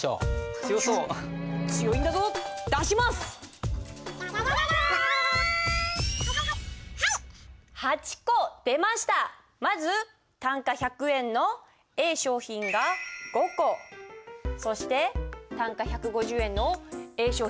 まず単価１００円のＡ商品が５個そして単価１５０円のＡ商品が３個という訳です。